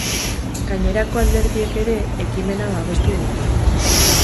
Gainerako alderdiek ere ekimena babestu dute.